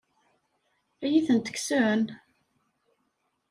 Ad iyi-tent-kksen?